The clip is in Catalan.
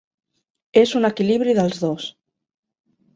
És un equilibri dels dos.